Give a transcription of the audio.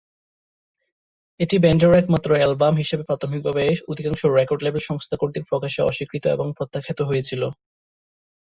এটি ব্যান্ডের একমাত্র অ্যালবাম হিসেবে প্রাথমিকভাবে অধিকাংশ রেকর্ড লেবেল সংস্থা কর্তৃক প্রকাশে অস্বীকৃত এবং প্রত্যাখ্যাত হয়েছিল।